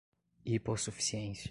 hipossuficiência